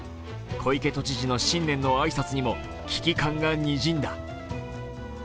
小池都知事の新年の挨拶にも危機感がにじんだ。